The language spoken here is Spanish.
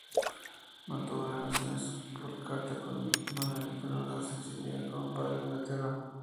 Mantuvo relaciones por carta con Manuelita Rosas, exiliada con su padre en Inglaterra.